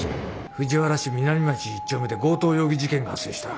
藤原市南町１丁目で強盗容疑事件が発生した。